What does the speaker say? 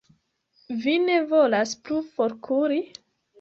Vi ne volas plu forkuri?